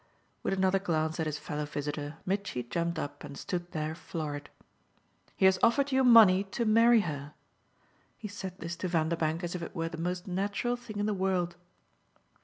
With another glance at his fellow visitor Mitchy jumped up and stood there florid. "He has offered you money to marry her." He said this to Vanderbank as if it were the most natural thing in the world.